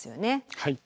はい。